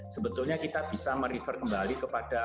sebetulnya kita bisa merefer kembali kepada